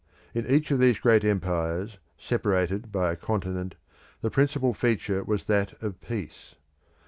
In each of these great empires, separated by a continent, the principal feature was that of peace.